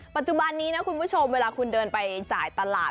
ปัจจุบันนี้นะคุณผู้ชมเวลาคุณเดินไปจ่ายตลาด